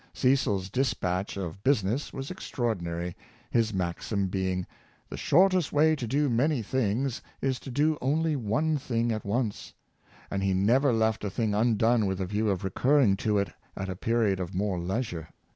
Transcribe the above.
Cecil's dispatch of business was extraor dinary, his maxim being, " the shortest way to do many things is to do only one thing at once; " and he never left a thing undone with a view of recurring to it at a period of more leisure.